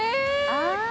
ああ！